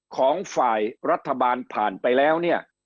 ของฝ่ายรัฐบาลผ่านไปแล้วเนี่ย